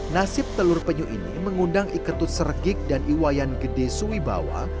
nasib telur penyu ini mengundang iketut sergik dan iwayan gede suwibawa